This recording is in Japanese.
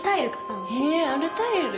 へえアルタイル？